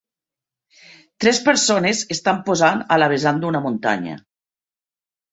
Tres persones estan posant a la vessant d'una muntanya.